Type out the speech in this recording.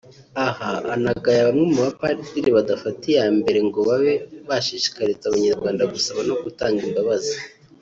Aha anagaya bamwe mu bapadiri badafata iya mbere ngo babe bashishikariza Abanyarwanda gusaba no gutanga imbabazi